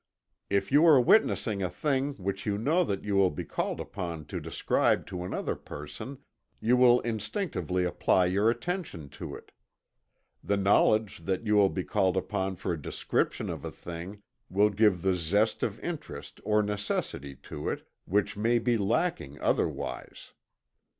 If you are witnessing a thing which you know that you will be called upon to describe to another person, you will instinctively apply your attention to it. The knowledge that you will be called upon for a description of a thing will give the zest of interest or necessity to it, which may be lacking otherwise.